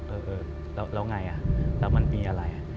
เออแล้วไงอ่ะแล้วมันมีอะไรอ่ะ